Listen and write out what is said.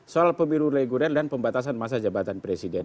soal pemilu reguler dan pembatasan masa jabatan presiden